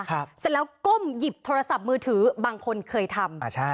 เสร็จแล้วก้มหยิบโทรศัพท์มือถือบางคนเคยทำอ่าใช่